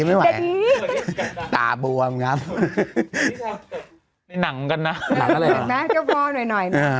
ไม่ไหวแดดดี้ตาบวมนะหนังกันนะหนังกันเลยหนังเจ้าพ่อหน่อยหน่อย